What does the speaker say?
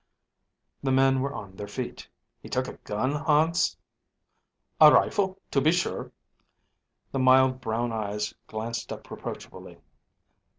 The men were on their feet. "He took a gun, Hans?" "A rifle, to be sure." The mild brown eyes glanced up reproachfully.